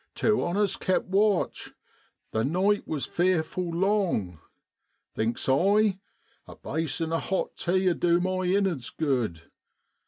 Two on us kept watch : the night was fearful long. Thinks I, a basin o' hot tea 'ud du my innerds good.